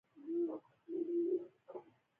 ځوانانو ته راتلونکی ورکوي.